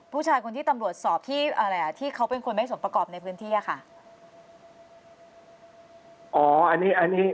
ผู้ชาติคนที่ตำรวจสอบที่เขาเป็นคนไม่สมประกอบในพื้นที่